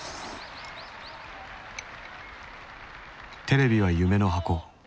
テレビは夢の箱。